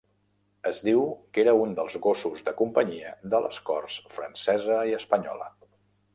Es diu que era un dels gossos de companyia de les corts francesa i espanyola.